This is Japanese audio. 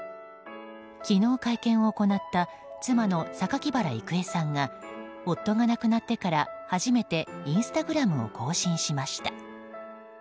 昨日、会見を行った妻の榊原郁恵さんが夫が亡くなってから初めてインスタグラムを更新しました。